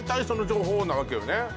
その情報なわけよね